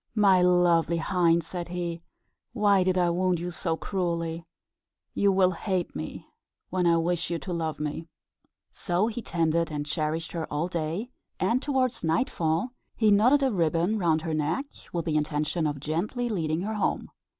"My lovely hind," said he, "why did I wound you so cruelly? You will hate me, when I wish you to love me." So he tended and cherished her all day, and, towards nightfall, he knotted a ribbon round her neck, with the intention of gently leading her home.